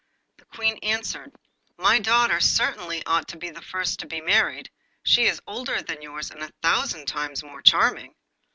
The Queen answered: 'My daughter certainly ought to be the first to be married; she is older than yours, and a thousand times more charming!